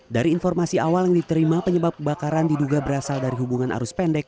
dari informasi awal yang diterima penyebab kebakaran diduga berasal dari hubungan arus pendek